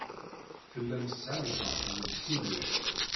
Tellam tesɛam lḥeqq deg kullec.